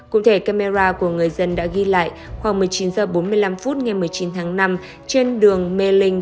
cụ thể camera của người dân đã ghi lại khoảng một mươi chín h bốn mươi năm phút ngày một mươi chín tháng năm trên đường mê linh